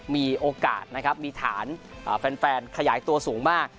มีโอกาสนะครับมีฐานแฟนขยายตัวสูงมาก